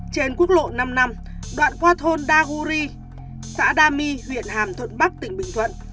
trên quốc lộ năm năm đoạn qua thôn đa guri xã đa mi huyện hàm thuận bắc tỉnh bình thuận